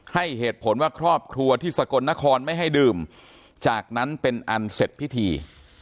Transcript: ให้เหตุผลว่าครอบครัวที่สกลนครไม่ให้ดื่มจากนั้นเป็นอันเสร็จพิธี